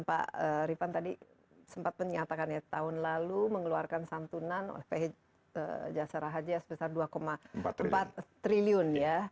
pak rifan tadi sempat menyatakan ya tahun lalu mengeluarkan santunan oleh ph jasara haja sebesar dua empat triliun ya